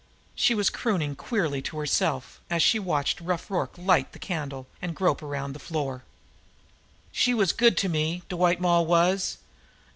She was crooning queerly to herself, as she watched Rough Rorke light the candle and grope around on the floor: "She was good to me, de White Moll was.